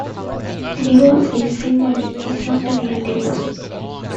The divorce is symbolic, it's not a real divorce.